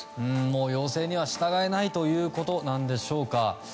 要請には従えないということなんでしょうか。